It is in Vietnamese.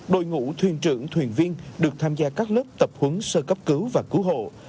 đội ngũ thuyền trưởng thuyền viên được tham gia các lớp tập huấn sơ cấp cứu và cứu hộ